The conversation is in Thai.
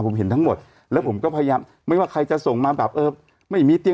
เขาเอามาไม่ได้อย่างนี้